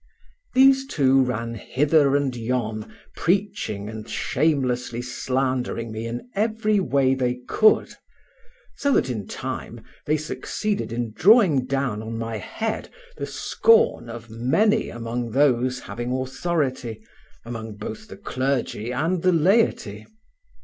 These two ran hither and yon preaching and shamelessly slandering me in every way they could, so that in time they succeeded in drawing down on my head the scorn of many among those having authority, among both the clergy and the laity.